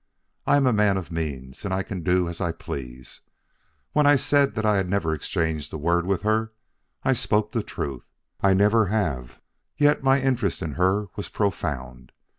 I am a man of means, and I can do as I please. When I said that I had never exchanged a word with her, I spoke the truth. I never have; yet my interest in her was profound.